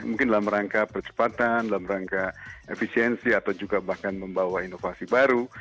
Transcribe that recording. mungkin dalam rangka percepatan dalam rangka efisiensi atau juga bahkan membawa inovasi baru